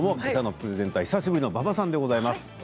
今朝のプレゼンターは久しぶりの馬場さんでございます。